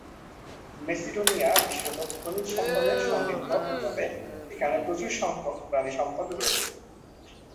Macedonia বিশেষত খনিজ সম্পদে সমৃদ্ধ, তবে এখানে প্রচুর সংখ্যক প্রাণিসম্পদ রয়েছে।